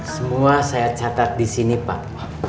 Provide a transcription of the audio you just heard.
semua saya catat disini pak